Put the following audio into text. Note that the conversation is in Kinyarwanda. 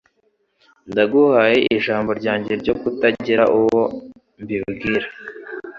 Ndaguhaye ijambo ryanjye ryo kutagira uwo mbibwira.